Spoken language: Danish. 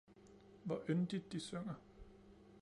hvor yndigt de synger!